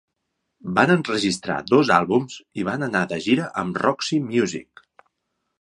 Van enregistrar dos àlbums i van anar de gira amb Roxy Music.